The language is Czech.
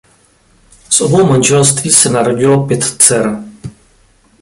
Z obou manželství se narodilo pět dcer.